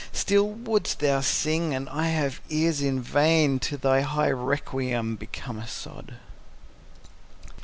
Still wouldst thou sing, and I have ears in vain To thy high requiem become a sod.